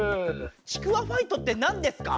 ちくわファイトって何ですか？